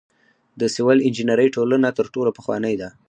د سیول انجنیری ټولنه تر ټولو پخوانۍ ده.